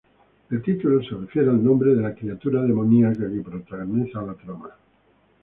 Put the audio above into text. El título se refiere al nombre de la criatura demoníaca que protagoniza la trama.